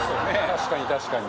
確かに確かに。